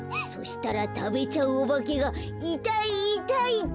そしたらたべちゃうおばけが「いたいいたい！」